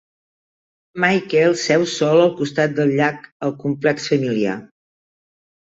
Michael seu sol al costat del llac al complex familiar.